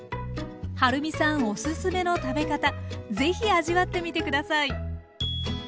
はるみさんおすすめの食べ方是非味わってみて下さい。